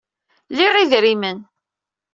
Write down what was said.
Liɣ idrimen.